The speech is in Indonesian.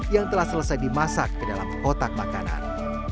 yang telah selesai dimasak ke dalam kotak makanan